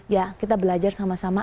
ya kita belajar sama sama